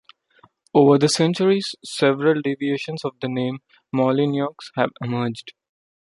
Over the centuries, several deviations of the name Molyneaux have emerged.